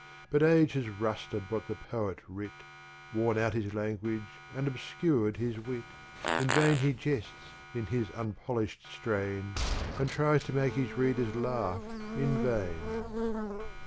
But Age has Rusted what the Poet writ, Worn out his Language, and obscur'd his Wit: In vain he jests in his unpolish'd strain, And tries to make his Readers laugh in vain.